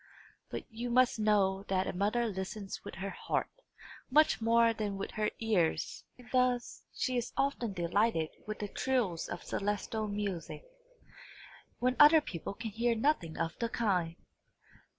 But you must know a mother listens with her heart, much more than with her ears; and thus she is often delighted with the trills of celestial music, when other people can hear nothing of the kind.